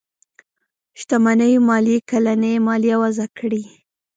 شتمنيو ماليې کلنۍ ماليه وضعه کړي.